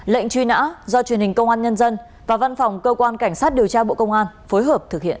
lệnh truy nã do truyền hình công an nhân dân và văn phòng cơ quan cảnh sát điều tra bộ công an phối hợp thực hiện